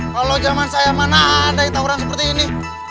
kalau zaman saya mana ada yang tahu orang seperti ini